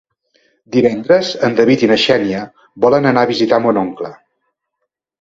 Divendres en David i na Xènia volen anar a visitar mon oncle.